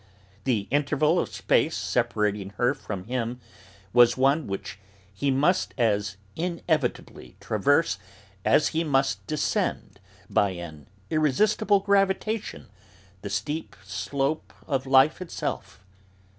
The interval of space separating her from him was one which he must as inevitably traverse as he must descend, by an irresistible gravitation, the steep slope of life itself.